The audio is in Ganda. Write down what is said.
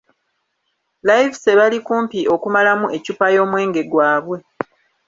Livesey bali kumpi okumalamu eccupa y'omwenge gwabwe.